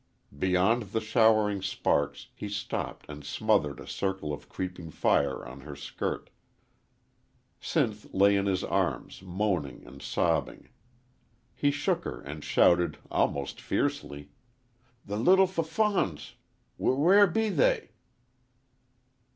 Beyond the showering sparks he stopped and smothered a circle of creeping fire on her skirt. Sinth lay in his arms moaning and sobbing. He shook her and shouted, almost fiercely, "The leetle f fawns wh where be they?"